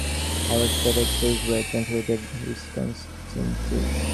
All except Sakes were transplanted Wisconsinites.